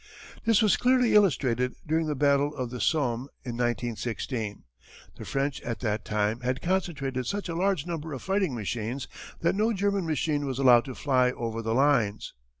"This was clearly illustrated during the battle of the Somme in 1916. The French at that time had concentrated such a large number of fighting machines that no German machine was allowed to fly over the lines.